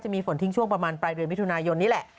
มีฝนทิ้งช่วงประมาณปลายเดือนมิถุนายนนี่แหละ